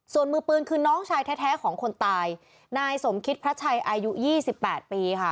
ส่วนมือปืนคือน้องชายแท้ของคนตายนายสมคิตพระชัยอายุ๒๘ปีค่ะ